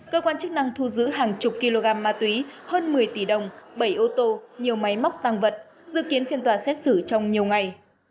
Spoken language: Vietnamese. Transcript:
cơ quan chức năng thu giữ hàng chục kg ma túy hơn một mươi tỷ đồng bảy ô tô nhiều máy móc tăng vật dự kiến phiên tòa xét xử trong nhiều ngày